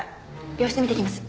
病室見てきます。